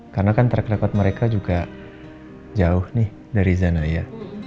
karena kan track record mereka juga jauh nih dari zanaya